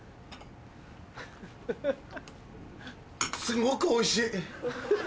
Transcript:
すごくおいしい！